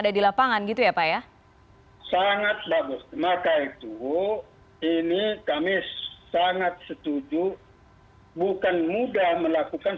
ada di lapangan gitu ya pak ya sangat bagus maka itu ini kami sangat setuju bukan mudah melakukan